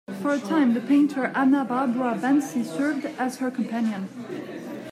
For a time the painter Anna Barbara Bansi served as her companion.